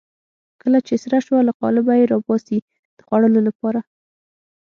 کله چې سره شوه له قالبه یې راباسي د خوړلو لپاره.